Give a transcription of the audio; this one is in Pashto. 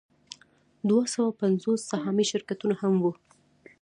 دوه سوه پنځوس سهامي شرکتونه هم وو